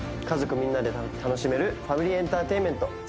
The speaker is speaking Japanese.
家族みんなで楽しめるファミリーエンターテインメント